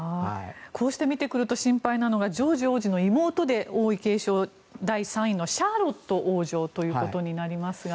こうして見ると心配なのがジョージ王子の妹で王位継承第３位のシャーロット王女ということになりますが。